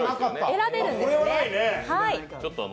選べるんですね。